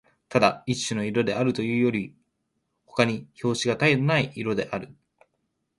ただ一種の色であるというよりほかに評し方のない色である